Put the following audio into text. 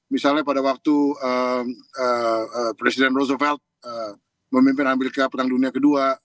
misalnya pada waktu presiden roosevelt memimpin amerika perang dunia ke dua